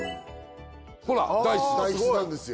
ほら代筆代筆なんですよ